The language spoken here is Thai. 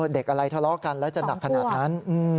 เด็กอะไรทะเลาะกันแล้วจะหนักขนาดนั้น